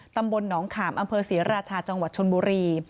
ตำบลหนองขามอำเภอศรีราชาจังหวัดชนบุรี